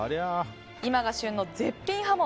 今が旬の絶品ハモ